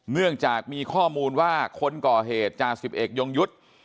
เนื่องจากมีข้อมูลว่าคนก่อเหตุจ่าสิบเอกยงยุทธ์